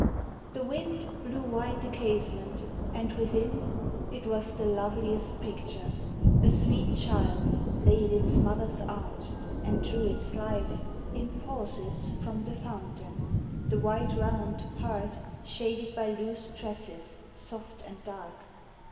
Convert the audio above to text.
The wind blew wide the easement, and within — It was the loveliest picture!— a sweet child I*ay in its mother's arms, and drew its life. In pauses, from the fountain,— the white round Part shaded by loose tresses, soft and dark.